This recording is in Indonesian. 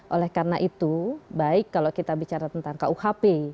oleh karena itu baik kalau kita bicara tentang kuhp